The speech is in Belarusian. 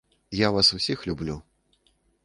Я вас усіх люблю.